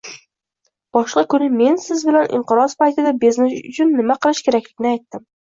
Boshqa kuni men siz bilan inqiroz paytida biznes uchun nima qilish kerakligini aytdim